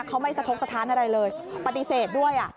เขาไม่สะทกสถานอะไรเลยปฏิเสธด้วย